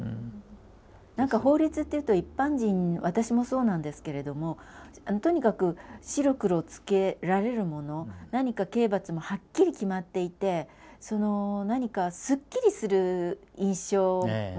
何か法律っていうと一般人私もそうなんですけれどもとにかく白黒つけられるもの何か刑罰もはっきり決まっていて何かすっきりする印象を持ってしまいがちなんですけれども。